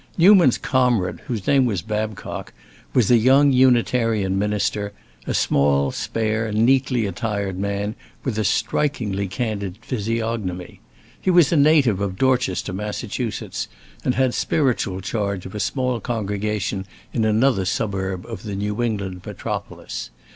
Newman's comrade, whose name was Babcock, was a young Unitarian minister, a small, spare, neatly attired man, with a strikingly candid physiognomy. He was a native of Dorchester, Massachusetts, and had spiritual charge of a small congregation in another suburb of the New England metropolis.